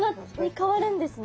変わるんですね。